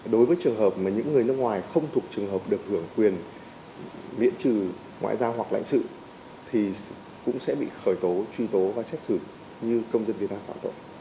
đối với trường hợp mà những người nước ngoài không thuộc trường hợp được hưởng quyền miễn trừ ngoại giao hoặc lãnh sự thì cũng sẽ bị khởi tố truy tố và xét xử như công dân việt nam phạm tội